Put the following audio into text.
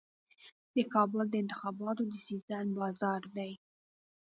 کابل د انتخاباتو د سیزن بازار دی.